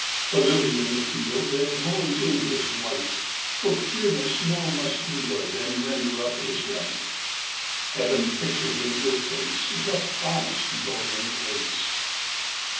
The lily in the field, That glories in his white, For pureness now must yield And render up his right; Heaven pictured in her face Doth promise joy and grace.